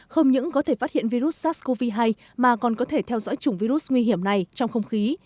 không những có thể phát hiện virus sars cov hai mà còn có thể theo dõi chủng virus nguy hiểm này trong không khí